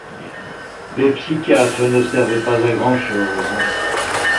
Les psychiatres ne servent pas à grand chose.